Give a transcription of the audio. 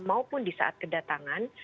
maupun di saat kedatangan